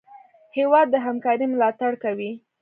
هېواد د همکارۍ ملاتړ کوي.